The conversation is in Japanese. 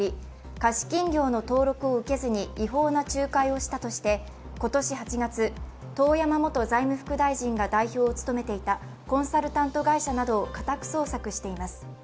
貸し金業の登録を受けずに違法な仲介をしたとして今年８月、遠山元財務副大臣が代表を務めていたコンサルタント会社などを家宅捜索しています。